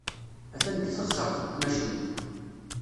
Atan deg teɣsert n tmacint.